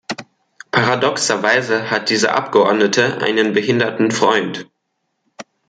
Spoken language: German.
Paradoxerweise hat dieser Abgeordnete einen behinderten Freund.